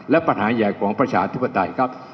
และปัญหาใหญ่ของประชาธิปไตยครับ